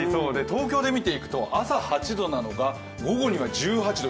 東京で見ていくと、朝８度なのが午後には１８度。